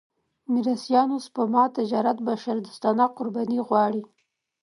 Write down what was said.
میراثيانو سپما تجارت بشردوستانه قرباني غواړي.